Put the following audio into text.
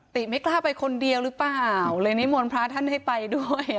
ไม่กล้าไปคนเดียวหรือเปล่าเลยนิมนต์พระท่านให้ไปด้วย